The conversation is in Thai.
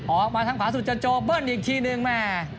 ออกมาทางขวาสุดเจอร์โจ้เบิ้ลอีกทีหนึ่งนะ